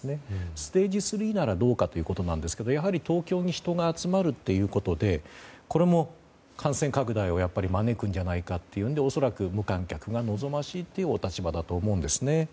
ステージ３ならどうかということなんですがやはり東京に人が集まるということでこれも感染拡大を招くんじゃないかということで無観客が望ましいというお立場だと思うんです。